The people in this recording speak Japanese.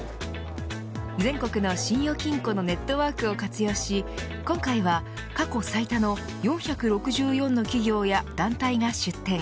全国の信用金庫のネットワークを活用し今回は、過去最多の４６４の企業や団体が出展。